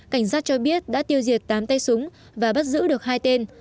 cảnh sát cho biết đã tiêu diệt tám tay súng và bắt giữ được hai tên